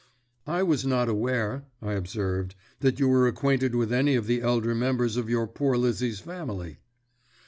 "I was not aware," I observed, "that you were acquainted with any of the elder members of your poor Lizzie's family."